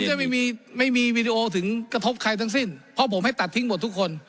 จะไม่มีไม่มีวีดีโอถึงกระทบใครทั้งสิ้นเพราะผมให้ตัดทิ้งหมดทุกคน